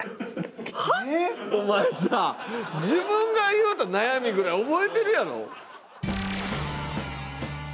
お前さ自分が言うた悩みぐらい覚えてるやろ？